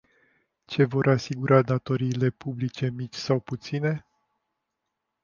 Ce vor asigura datoriile publice mici sau puține?